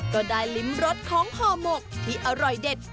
ก็ได้ลิ้มรสของห่อหมกที่อร่อยเด็ด